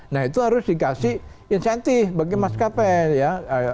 nah itu harus dikasih insentif bagi maskapai ya